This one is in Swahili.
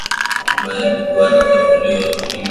ambaye alikuwa anatambuliwa kama mama afrika